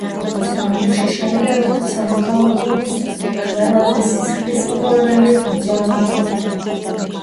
ისტორიაში შევიდა როგორც სამოქალაქო ომის ყველაზე სისხლისმღვრელი ბრძოლა.